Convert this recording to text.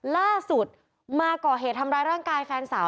ล่าสุดมาก่อเหตุทำร้ายร่างกายแฟนสาว